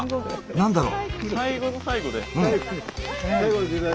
何だろう？